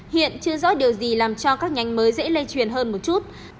hiện chưa rõ điều gì làm cho các nhánh mới dễ lây truyền hơn một chút